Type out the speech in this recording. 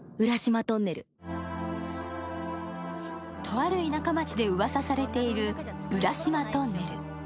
とある田舎町でうわさされているウラシマトンネル。